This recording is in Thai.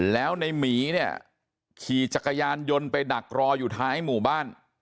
แล้วในหมีเนี่ยขี่จักรยานยนต์ไปดักรออยู่ท้ายหมู่บ้าน